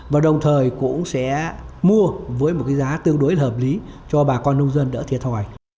và đồng thời cũng sẽ mua với một cái giá tương đối hợp lý cho bà con nông dân đỡ thiệt thòi